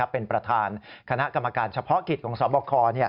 เป็นประธานคณะกรรมการเฉพาะกิจของสบค